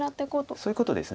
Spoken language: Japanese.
そういうことです。